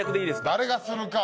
誰がするか。